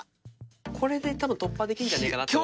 これで多分突破できんじゃねえかなとは。